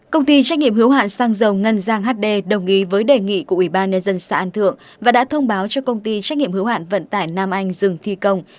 công ty trách nhiệm hữu hạn xăng dầu ngân giang hd đồng ý với đề nghị của ubnd xã an thượng và đã thông báo cho công ty trách nhiệm hữu hạn vận tải nam anh dừng thi công